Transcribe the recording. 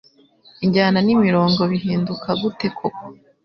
Injyana n'imirongo bihinduka gute koko